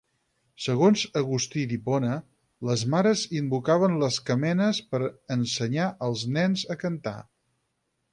Segons Agustí d'Hipona, les mares invocaven les camenes per ensenyar els nens a cantar.